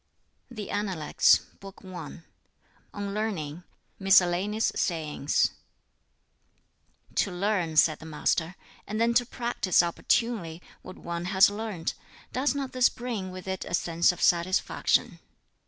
W. THE ANALECTS BOOK I On Learning Miscellaneous Sayings: "To learn," said the Master, "and then to practise opportunely what one has learnt does not this bring with it a sense of satisfaction?